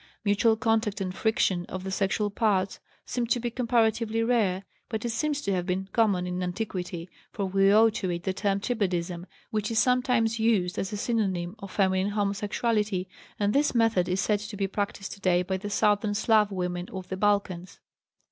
Mutual contact and friction of the sexual parts seem to be comparatively rare, but it seems to have been common in antiquity, for we owe to it the term "tribadism" which is sometimes used as a synonym of feminine homosexuality, and this method is said to be practised today by the southern Slav women of the Balkans.